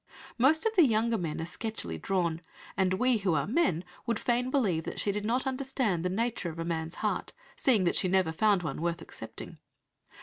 Most of the younger men are sketchily drawn, and we who are men would fain believe that she did not understand the nature of a man's heart, seeing that she never found one worth accepting.